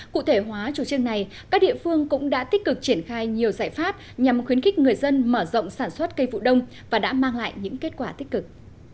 cụ thể hóa chủ trương này các địa phương cũng đã tích cực triển khai nhiều giải pháp nhằm khuyến khích người dân mở rộng sản xuất cây vụ đông và đã mang lại những kết quả tích cực